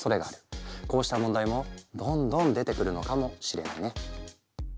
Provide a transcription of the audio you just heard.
こうした問題もどんどん出てくるのかもしれないね。